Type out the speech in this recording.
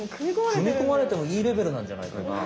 くみこまれてもいいレベルなんじゃないかな。